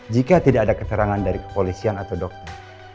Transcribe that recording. jika tidak ada keterangan dari kepolisian atau dokter